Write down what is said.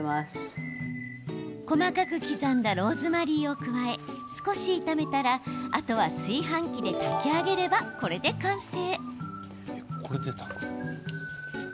細かく刻んだローズマリーを加え少し炒めたらあとは炊飯器で炊き上げればこれで完成。